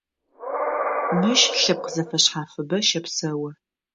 Мыщ лъэпкъ зэфэшъхьафыбэ щэпсэу.